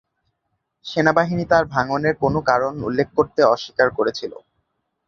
সেনাবাহিনী তার ভাঙ্গনের কোনও কারণ উল্লেখ করতে অস্বীকার করেছিল।